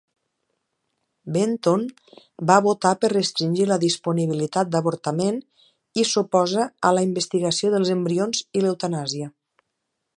Benton va votar per restringir la disponibilitat d'avortament i s'oposa a la investigació dels embrions i l'eutanàsia.